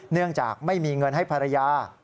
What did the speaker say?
เนื่องจากไม่มีเงินให้ภรรยา